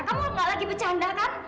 kamu nggak lagi bercanda kan